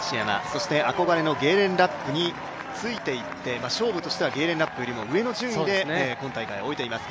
そして憧れのゲーレン・ラップについていって勝負としてはゲーレン・ラップよりも上の順位で今大会を終えています。